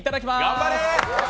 頑張れ！